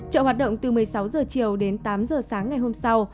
chợ hoạt động từ một mươi sáu h chiều đến tám h sáng ngày hôm sau